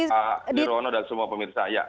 pak nirwono dan semua pemirsa ya